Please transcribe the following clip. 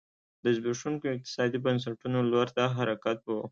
د زبېښونکو اقتصادي بنسټونو لور ته حرکت و